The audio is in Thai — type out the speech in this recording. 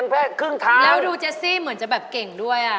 อยากลุ้งมั้ง